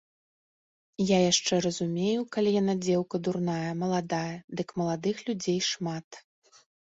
Я яшчэ разумею, калі яна дзеўка дурная, маладая, дык маладых людзей шмат.